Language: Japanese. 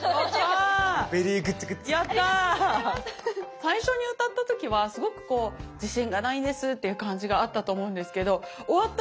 最初に歌った時は「すごくこう自信がないんです」っていう感じがあったと思うんですけど終わった